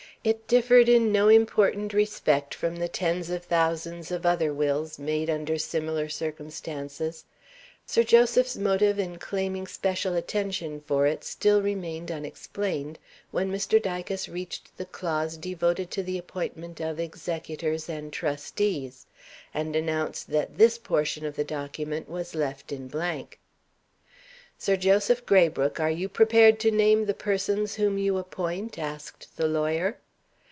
It differed in no important respect from the tens of thousands of other wills made under similar circumstances. Sir Joseph's motive in claiming special attention for it still remained unexplained, when Mr. Dicas reached the clause devoted to the appointment of executors and trustees; and announced that this portion of the document was left in blank. "Sir Joseph Graybrooke, are you prepared to name the persons whom you appoint?" asked the lawyer.